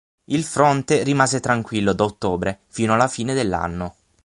Il fronte rimase tranquillo da ottobre fino alla fine dell'anno.